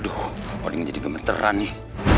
aduh paling jadi gemeteran nih